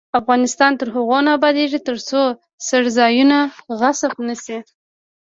افغانستان تر هغو نه ابادیږي، ترڅو څرځایونه غصب نشي.